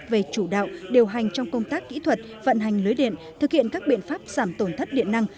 về chủ đạo điều hành trong công tác kỹ thuật vận hành lưới điện thực hiện các biện pháp giảm tổn thất điện năng